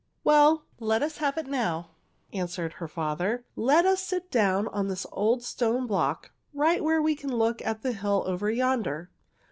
"Well, let us have it now," answered her father. "Let us sit down on this old stone block right where we can look at the hill over yonder.